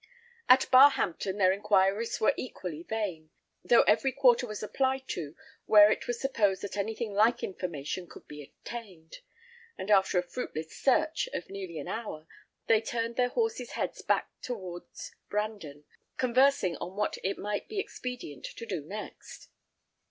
At Barhampton their inquiries were equally vain, though every quarter was applied to where it was supposed that anything like information could be obtained; and after a fruitless search of nearly an hour, they turned their horses' heads back towards Brandon, conversing on what it might be expedient to do next.